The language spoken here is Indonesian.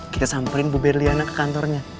kita samperin bu berliana ke kantornya